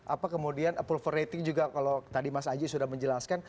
apa kemudian approval rating juga kalau tadi mas aji sudah menjelaskan